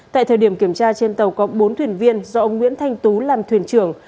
tại thời điểm kiểm tra trên tàu có bốn thuyền viên do ông nguyễn thanh tú làm thuyền trưởng